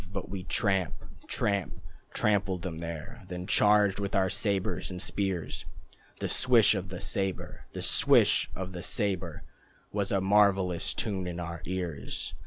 But we tramp Tramp Trampled them there, Then charged with our sabres and spears. The swish of the sabre, The swish of the sabre, Was a marvellous tune in our ears.